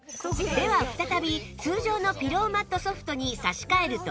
では再び通常のピローマット Ｓｏｆｔ に差し替えると